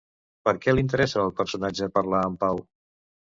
Per què l'interessa al personatge parlar amb Pau?